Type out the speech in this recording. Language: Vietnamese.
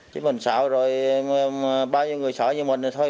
chứ mình sợ rồi bao nhiêu người sợ như mình này thôi